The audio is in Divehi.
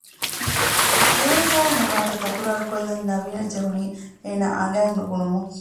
ދެވަނަ ފަހަރަށް އެވާހަކަ ތަކުރާރުކޮއްލަން ނަވީނަށް ޖެހުނީ އޭނާ އަނގައިން ނުބުނުމުން